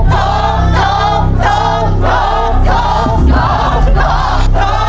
โต๊ะโต๊ะโต๊ะ